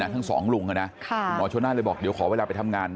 ทั้งสองลุงคุณหมอชนนั่นเลยบอกเดี๋ยวขอเวลาไปทำงาน